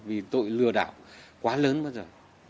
vì tội lừa đảo quá lớn bất giờ